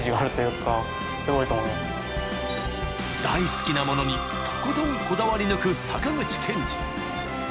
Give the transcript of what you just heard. ［大好きなものにとことんこだわり抜く坂口憲二］